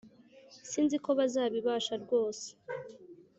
Sinziko bazabibasha rwose